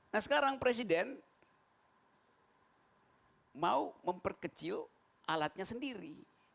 nah sekarang presiden mau memperkecil alatnya sendiri